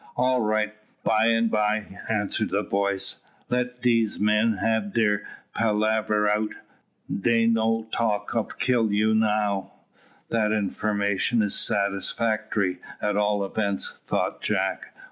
"All right, by and by," answered the voice. "Let dese men hab dere palaver out; dey no talk of kill 'ou now." "That information is satisfactory, at all events," thought Jack.